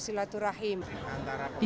semuanya dikumpul ke jawa timur